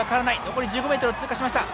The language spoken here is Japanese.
残り１５ｍを通過しました。